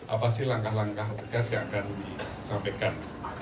apa sih langkah langkah tegas yang akan disampaikan